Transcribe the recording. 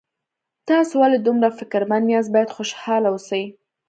تاسو ولې دومره فکرمن یاست باید خوشحاله اوسئ